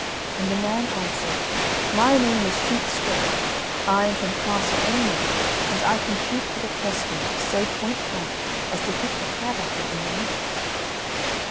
And the man answered, "My name is Shoot straight; I am from Castle Aimwell; and I can shoot with a crossbow so point blank as to hit a crab apple in the middle."